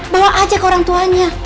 bawa aja ke orang tuanya